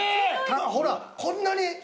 ほらこんなに。